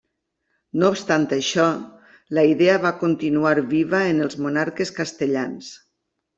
No obstant això, la idea va continuar viva en els monarques castellans.